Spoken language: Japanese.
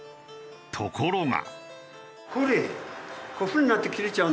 ところが。